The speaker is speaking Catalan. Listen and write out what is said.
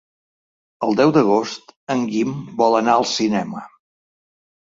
El deu d'agost en Guim vol anar al cinema.